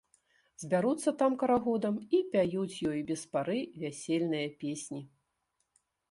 Збяруцца там карагодам і пяюць ёй без пары вясельныя песні.